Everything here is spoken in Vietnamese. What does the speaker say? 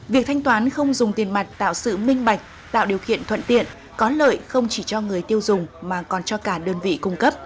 việc thanh toán không dùng tiền mặt tạo sự minh bạch tạo điều kiện thuận tiện có lợi không chỉ cho người tiêu dùng mà còn cho cả đơn vị cung cấp